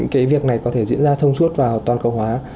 cái việc này có thể diễn ra thông suốt và toàn cầu hóa